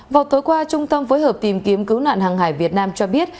vào tối qua trung tâm phối hợp tìm kiếm cứu nạn hàng hải việt nam cho biết